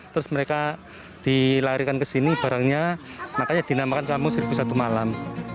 terus mereka dilarikan ke sini barangnya makanya dinamakan kampung seribu satu malam